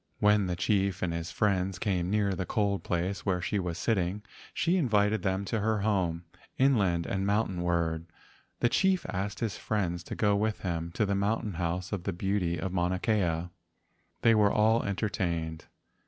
When the chief and his friends came near the cold place where she was sitting, she invited them to her home, inland and mountainward. 134 LEGENDS OF GHOSTS The chief asked his friends to go with him to the mountain house of the beauty of Mauna Kea. They were well entertained.